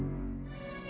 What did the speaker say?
kamu mau minum obat